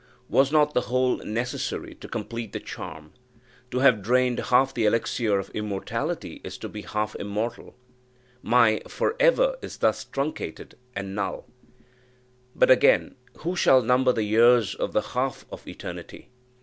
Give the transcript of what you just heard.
Was not the whole necessary to complete the charm? To have drained half the Elixir of Immortality is but to be half immortal my For ever is thus truncated and null. But again, who shall number the years of the half of eternity?